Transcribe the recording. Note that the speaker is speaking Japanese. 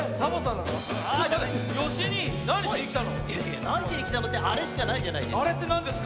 なにしにきたのってあれしかないじゃないですか。